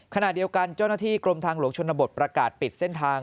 ขณะเดียวกันเจ้าหน้าที่กรมทางหลวงชนบทประกาศปิดเส้นทาง